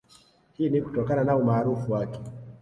Hii ni kutokana na umaarufu wake